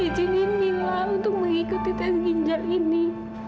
izinin mila untuk mengikuti tes ginjal ini